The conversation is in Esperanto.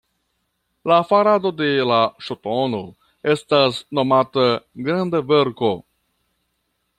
La farado de la Ŝtono estas nomata Granda Verko.